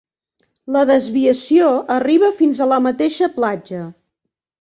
La desviació arriba fins a la mateixa platja.